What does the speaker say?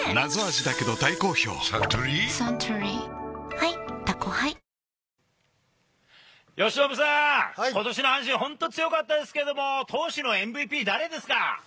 ハイ「タコハイ」由伸さん、ことしの阪神、本当強かったですけれども、投手のＭＶＰ、誰ですか。